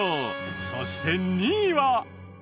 そして２位は。